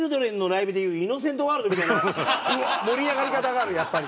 みたいな盛り上がり方があるやっぱり。